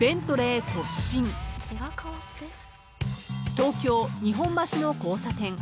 ［東京日本橋の交差点］